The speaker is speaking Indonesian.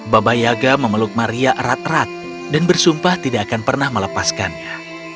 baba yaga memeluk maria erat erat dan bersumpah tidak akan pernah melepaskannya